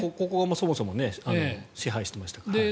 ここがそもそも支配してましたから。